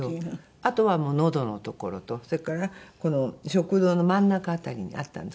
あとはのどの所とそれからこの食道の真ん中辺りにあったんです。